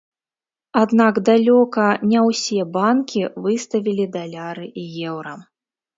Аднак далёка не ўсе банкі выставілі даляры і еўра.